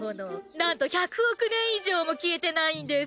なんと１００億年以上も消えてないんです。